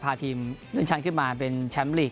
พาทีมเลื่อนชั้นขึ้นมาเป็นแชมป์ลีก